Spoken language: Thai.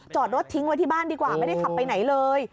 จอดรถทิ้งไว้ที่บ้านดีกว่าไม่ได้ขับไปไหนเลย